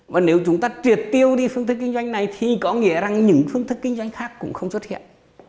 và nếu chúng ta triệt tiêu đi phương thức kinh doanh này thì có nghĩa rằng những phương thức kinh doanh khác cũng không xuất hiện